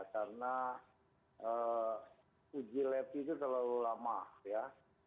karena uji lab itu terlalu lama ya